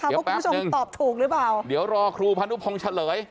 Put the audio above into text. ว่าคุณผู้ชมตอบถูกหรือเปล่าเดี๋ยวรอครูพานุพงศ์เฉลย